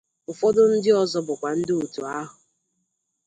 ụfọdụ ndị ọzọ bụkwa ndị òtù ahụ